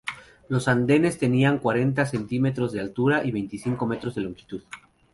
Los andenes tenían cuarenta centímetros de altura y veinticinco metros de longitud.